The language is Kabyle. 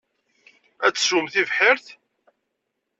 Ad tesswem tibḥirt.